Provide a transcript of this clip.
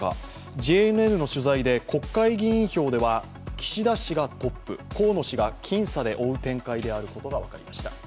ＪＮＮの取材で国会議員票では岸田氏がトップ、河野氏が僅差で追う展開であることが分かりました。